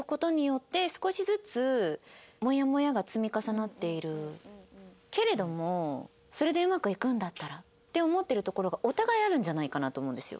なんかけれどもそれでうまくいくんだったらって思ってるところがお互いあるんじゃないかなと思うんですよ。